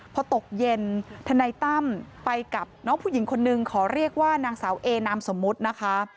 พอตกเย็นทนายตั้มไปกับน้องผู้หญิงคนนึงขอเรียกว่านางสาวเอนามสมมุตินะคะ